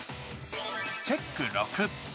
チェック６。